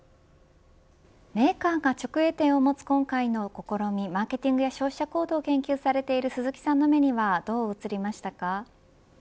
メーカーが直営店を持つ今回の試みマーケティングや消費者行動を研究されている鈴木さんの目にはどう映りましたか。